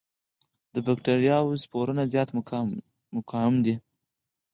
د بکټریاوو سپورونه زیات مقاوم دي.